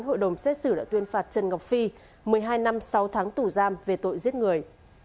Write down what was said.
hội đồng xét xử đã tuyên phạt trần ngọc phi một mươi hai năm sáu tháng tù giam về tội giết người